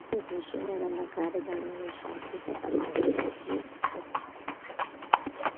ორგანიზმის შინაგან და გარეგან ნიშან-თვისებათა ერთობლიობის შესახებ.